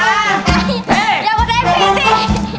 อย่าพูดแอฟพีซี่